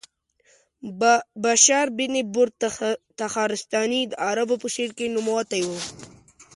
بشار بن برد تخارستاني د عربو په شعر کې نوموتی و.